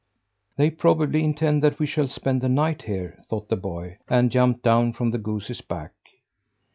"They probably intend that we shall spend the night here," thought the boy, and jumped down from the goose's back.